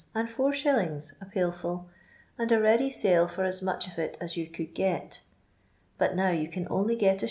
and is* a pail full, and a ready aale for as much of it as you could get ; but now yon can only get Is.